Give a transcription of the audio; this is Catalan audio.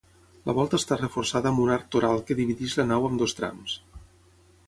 La volta està reforçada amb un arc toral que divideix la nau amb dos trams.